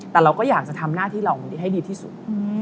แต่เราก็อยากจะทำหน้าที่เราให้ดีที่สุด